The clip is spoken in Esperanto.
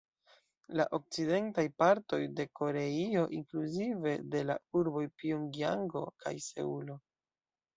La okcidentaj partoj de Koreio, inkluzive de la urboj Pjongjango kaj Seulo.